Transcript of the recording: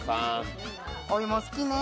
おいも、好きね。